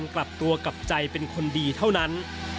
กับใจเป็นคนดีเท่านั้น